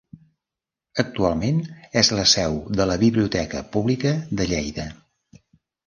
Actualment és la seu de la Biblioteca Pública de Lleida.